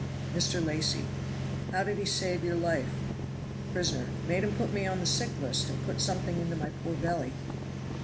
Mr. Lacy. "How did he save your life?" Prisoner. "Made 'em put me on the sick list, and put something into my poor belly."